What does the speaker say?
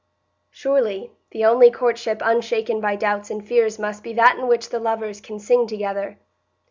Surely the only courtship unshaken by doubts and fears must be that in which the lovers can sing together.